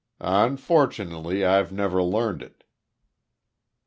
"Unfortunately I've never learned it."